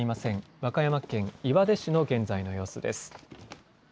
和歌山県岩出市の現在の様子です。